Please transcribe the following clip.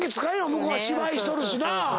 向こうは芝居しとるしなぁ。